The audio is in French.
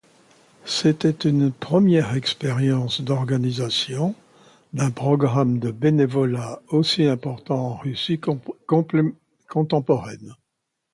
C’était une première expérience d’organisation d’un programme de bénévolat aussi important en Russie contemporaine.